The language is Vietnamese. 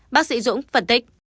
bác sĩ dũng phân tích